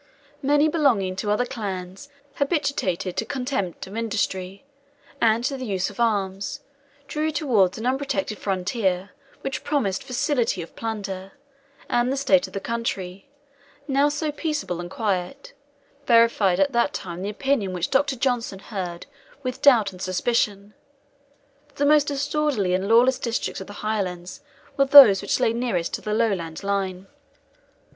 Many belonging to other clans, habituated to contempt of industry, and to the use of arms, drew towards an unprotected frontier which promised facility of plunder; and the state of the country, now so peaceable and quiet, verified at that time the opinion which Dr. Johnson heard with doubt and suspicion, that the most disorderly and lawless districts of the Highlands were those which lay nearest to the Lowland line.